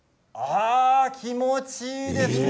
気持ちいいですね。